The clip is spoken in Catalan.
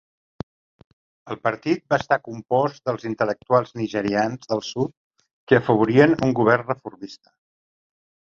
El partit va estar compost dels intel·lectuals nigerians del sud que afavorien un govern reformista.